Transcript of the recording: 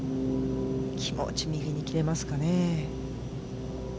気持ち、右に切れますかね。